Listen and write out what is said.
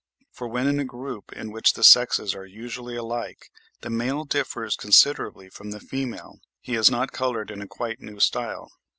For when in a group in which the sexes are usually alike, the male differs considerably from the female, he is not coloured in a quite new style.